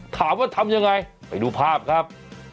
ทำยังไงไปดูภาพครับ